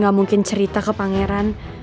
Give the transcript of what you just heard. gak mungkin cerita ke pangeran